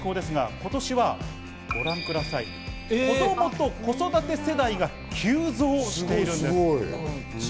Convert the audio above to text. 今年はご覧ください、子供と子育て世代が急増しているんです。